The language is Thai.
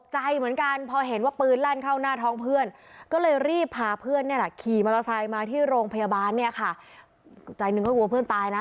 ใจนึงก็กลัวเพื่อนตายนะ